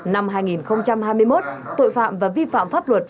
năm hai nghìn hai mươi một tội phạm và vi phạm pháp luật